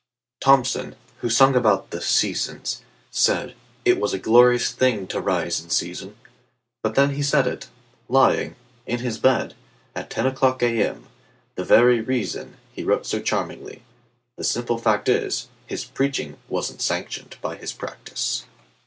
Thomson, who sung about the "Seasons," saidIt was a glorious thing to rise in season; But then he said it—lying—in his bed, At ten o'clock A.M.,—the very reasonHe wrote so charmingly. The simple fact is, His preaching was n't sanctioned by his practice.